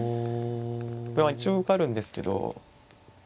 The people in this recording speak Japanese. これは一応受かるんですけど。